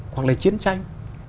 hoặc là chiến tranh